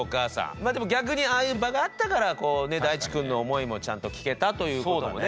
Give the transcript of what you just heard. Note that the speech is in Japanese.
まあでも逆にああいう場があったからだいちくんの思いもちゃんと聞けたということもね